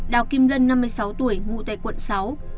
đào kim lân năm mươi sáu tuổi ngụ tại quận sáu